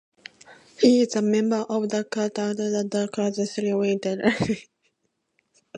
He is a member of The Quaker Universalist Fellowship and Silent Unity.